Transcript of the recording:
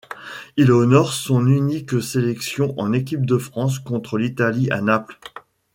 Il honore son unique sélection en équipe de France contre l'Italie à Naples.